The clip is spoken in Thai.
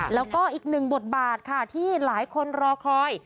แล้วก็อีกหนึ่งบทบาทค่ะที่หลายคนรอคอย